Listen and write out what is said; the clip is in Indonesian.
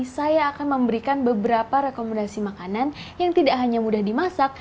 saya akan memberikan beberapa rekomendasi makanan yang tidak hanya mudah dimasak